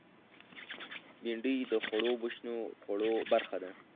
بېنډۍ د خړوبو شنو خوړو برخه ده